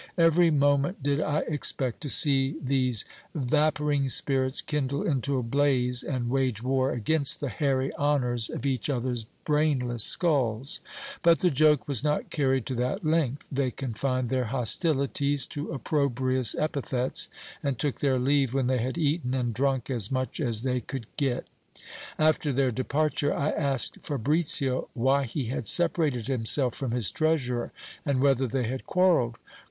Every moment did I expect to see these vapouring spirits kindle into a blaze, and wage war against the hairy honours of each other's brainless skulls : but the joke was not carried to that length ; they confined their hostilities to opprobrious epithets, and took their leave when they had eaten and drunk as much as they could get. After their departure, I asked Fabricio why he had separated himself from his treasurer, and whether they had quarrelled.